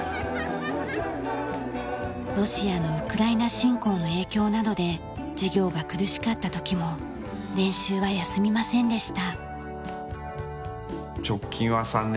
ロシアのウクライナ侵攻の影響などで事業が苦しかった時も練習は休みませんでした。